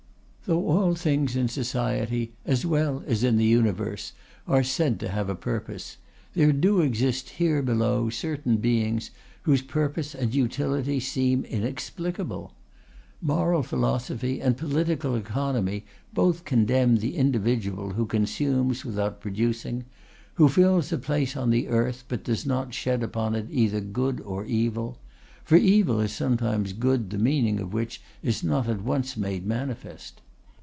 Though all things in society as well as in the universe are said to have a purpose, there do exist here below certain beings whose purpose and utility seem inexplicable. Moral philosophy and political economy both condemn the individual who consumes without producing; who fills a place on the earth but does not shed upon it either good or evil, for evil is sometimes good the meaning of which is not at once made manifest.